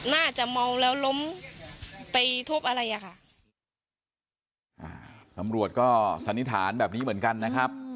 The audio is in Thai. สำรวจก็สันนิษฐานแบบนี้เหมือนกันนะครับ